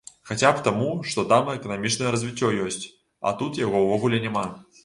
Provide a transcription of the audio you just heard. Хаця б таму, што там эканамічнае развіццё ёсць, а тут яго ўвогуле няма.